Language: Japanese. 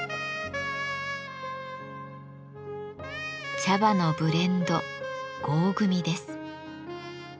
茶葉のブレンド合組です。